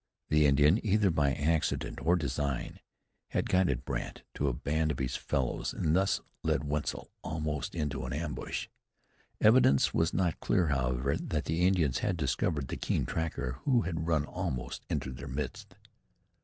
The Indian, either by accident or design, had guided Brandt to a band of his fellows, and thus led Wetzel almost into an ambush. Evidence was not clear, however, that the Indians had discovered the keen tracker who had run almost into their midst.